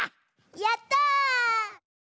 やった！